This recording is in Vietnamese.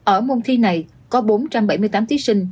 ở môn thi này có bốn trăm bảy mươi tám thí sinh